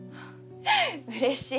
うれしい。